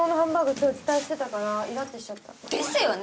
今日期待してたからイラってしちゃった。ですよね！